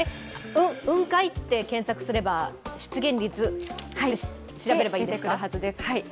雲海って検索すれば、出現率、調べればいいですか？